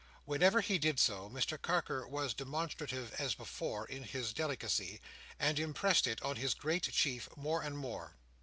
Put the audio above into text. Whenever he did so, Mr Carker was demonstrative, as before, in his delicacy, and impressed it on his great chief more and more.